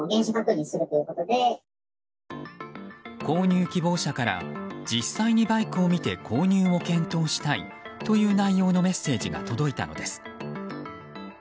購入希望者から実際にバイクを見て購入を検討したいという内容のメッセージが届いたのです。